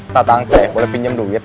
takang teh boleh pinjem duit